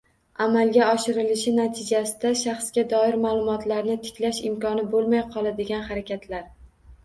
Amalga oshirilishi natijasida shaxsga doir ma’lumotlarni tiklash imkoni bo‘lmay qoladigan harakatlar